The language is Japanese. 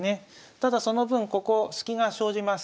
ただその分ここスキが生じます。